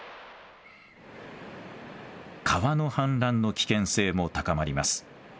川の氾濫の危険性も高まります。